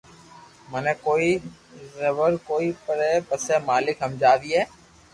مني ڪوئي زبر ڪوئي پري پسي مالڪ ھمجاوئي